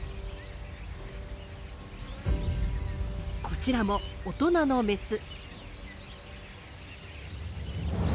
こちらも大人のメス。